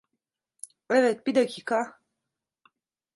Evet, bir dakika.